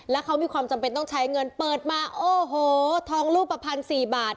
แล้วเขามีความจำเป็นต้องใช้เงินเปิดมาโอ้โหทองรูปภัณฑ์๔บาท